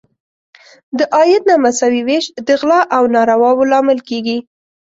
د عاید نامساوي ویش د غلا او نارواوو لامل کیږي.